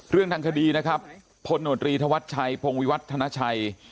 เรื่องทางคดีนะครับพลโนตรีธวัชชัยพงวิวัฒนาชัย